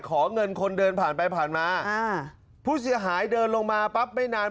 ขอเงินคนเดินผ่านไปผ่านมาอ่าผู้เสียหายเดินลงมาปั๊บไม่นาน